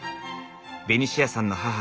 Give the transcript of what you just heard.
ベニシアさんの母